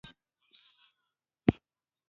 ایا زه باید د چینې اوبه وڅښم؟